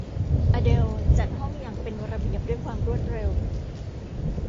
อเดลล์จัดห้องอย่างเป็นระเบียบด้วยความรวดเร็ว